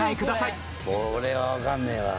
これはわかんねえわ。